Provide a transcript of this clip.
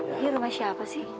ini rumah siapa sih